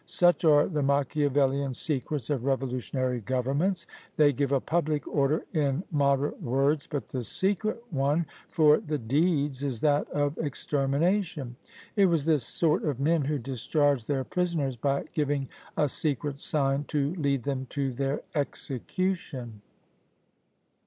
Such are the Machiavelian secrets of revolutionary governments; they give a public order in moderate words, but the secret one, for the deeds, is that of extermination! It was this sort of men who discharged their prisoners by giving a secret sign to lead them to their execution!